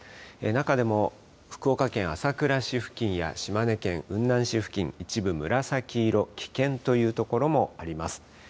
中でも福岡県朝倉市付近や島根県雲南市付近、一部紫色、危険という所もあります。